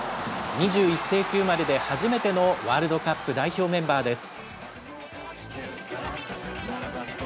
２１世紀生まれで初めてのワールドカップ代表メンバーです。